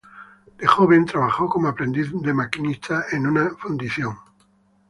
De joven trabajó como aprendiz de maquinista en una fundición.